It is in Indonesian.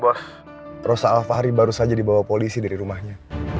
bahwa rosa alfahri baru saja dibawa polisi dari rumahnya